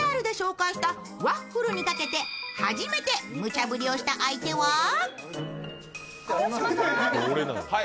ＶＴＲで紹介したワッフルにかけて、初めてむちゃぶりをした相手は？